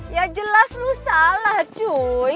ya jelas lu salah cuy